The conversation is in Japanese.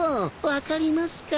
分かりますか？